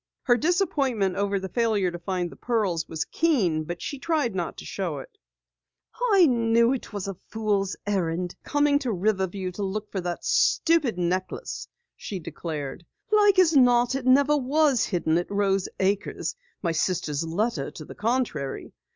Her disappointment over the failure to find the pearls was keen but she tried not to show it. "I knew it was a fool's errand coming to Riverview to look for that stupid necklace!" she declared. "Like as not, it never was hidden at Rose Acres, my sister's letter to the contrary.